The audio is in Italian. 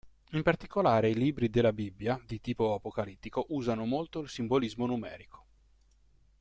In particolare i libri della Bibbia di tipo apocalittico usano molto il simbolismo numerico.